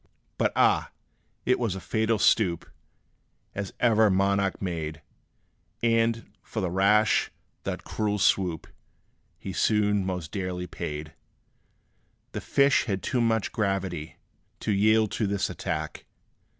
But ah! it was a fatal stoop, As ever monarch made; And, for that rash that cruel swoop, He soon most dearly paid! The fish had too much gravity To yield to this attack.